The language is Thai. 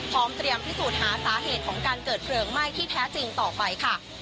พร้อมเตรียมพิสูจน์หาสาเหตุของการเกิดเพลิงไหม้ที่แท้จริงต่อไปค่ะ